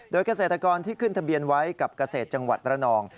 โดยเกษตรกรที่ขึ้นทะเบียนไว้กับเกษตรจังหวัดระนอง